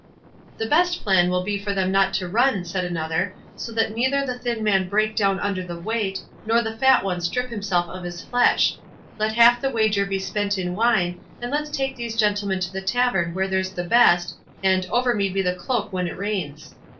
"The best plan will be for them not to run," said another, "so that neither the thin man break down under the weight, nor the fat one strip himself of his flesh; let half the wager be spent in wine, and let's take these gentlemen to the tavern where there's the best, and 'over me be the cloak when it rains.